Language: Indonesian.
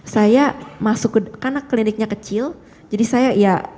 saya masuk karena kliniknya kecil jadi saya ya